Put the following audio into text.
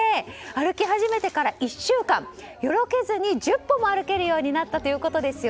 歩き始めてから１週間よろけずに１０歩も歩けるようになったということです。